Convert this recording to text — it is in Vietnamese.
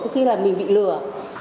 cứ khi là mình bị lừa